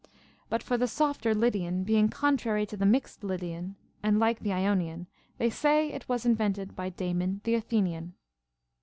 But for the softer Lydian, being con trary to the mixed Lydian and like the Ionian, they say it was invented by Damon the Athenian.